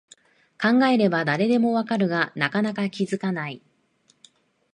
考えれば誰でもわかるが、なかなか気づかない